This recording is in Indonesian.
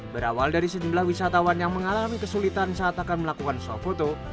berawal dari sejumlah wisatawan yang mengalami kesulitan saat akan melakukan suap foto